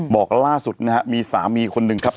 บอกล่าสุดนะฮะมีสามีคนหนึ่งครับ